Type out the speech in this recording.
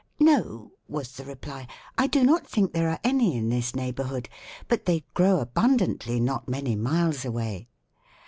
"No," was the reply, "I do not think there are any in this neighborhood; but they grow abundantly not many miles away.